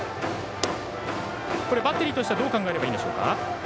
バッテリーとしてはどう考えればいいですか。